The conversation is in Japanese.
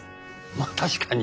まあ確かに。